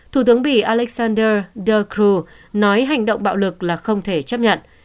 thủ tướng bị alexander dercru nói hành động bạo lực là không thể chấp nhận